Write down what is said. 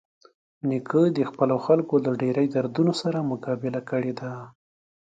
نیکه د خپلو خلکو له ډېرۍ دردونو سره مقابله کړې ده.